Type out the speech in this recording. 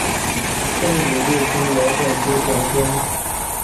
政府驻瓶窑镇新窑村。